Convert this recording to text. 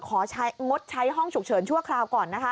งดใช้ห้องฉุกเฉินชั่วคราวก่อนนะคะ